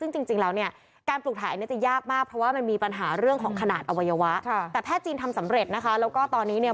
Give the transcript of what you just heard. ขนาดอวัยวะแต่แพทย์จีนทำสำเร็จนะคะแล้วก็ตอนนี้เนี่ย